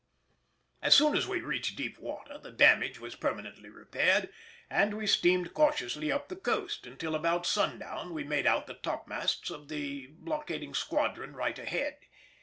As soon as we reached deep water the damage was permanently repaired, and we steamed cautiously up the coast, until about sundown we made out the topmasts of the blockading squadron right ahead.